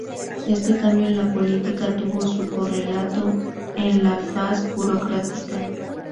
Este cambio en la política tuvo su correlato en la faz burocrática.